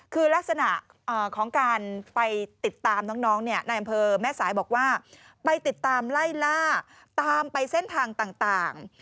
คือลักษณะของการไปติดตามน้องเนี่ยในอำเภอแม่สายบอกว่าไปติดตามไล่ล่าตามไปเส้นทางต่าง